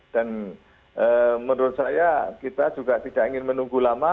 dan menurut saya kita juga tidak ingin menunggu lama